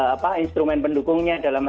apa instrumen pendukungnya dan lain lain